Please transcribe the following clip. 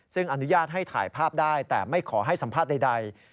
ซึ่งอนุญาตให้ถ่ายภาพได้แต่ไม่ขอให้สัมภาษณ์ใด